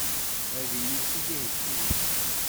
Ad iyi-tt-id-iheggi?